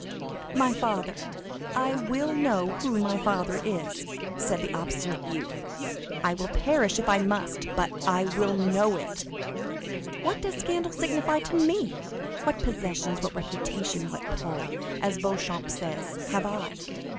50157m "My father—I will know who my father is," said the obstinate youth; "I will perish if I must, but I will know it. What does scandal signify to me? What possessions, what reputation, what 'pull,' as Beauchamp says,—have I?